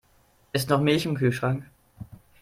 Ist noch Milch im Kühlschrank?